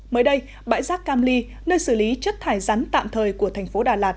mới đây bãi rác cam ly nơi xử lý chất thải rắn tạm thời của thành phố đà lạt